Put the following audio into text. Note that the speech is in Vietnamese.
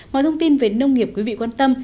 mọi thông tin về nông nghiệp quý vị quan tâm